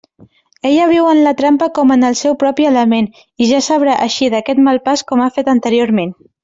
Ella viu en la trampa com en el seu propi element, i ja sabrà eixir d'aquest mal pas com ha fet anteriorment.